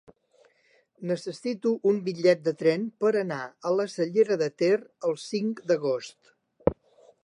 Necessito un bitllet de tren per anar a la Cellera de Ter el cinc d'agost.